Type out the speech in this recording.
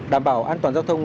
đảm bảo an toàn giao thông